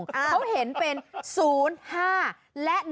เขาเห็นเป็น๐๕และ๑